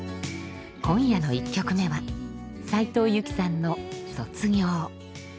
今夜の１曲目は斉藤由貴さんの「卒業」。